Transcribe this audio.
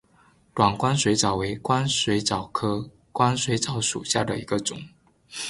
短光水蚤为光水蚤科光水蚤属下的一个种。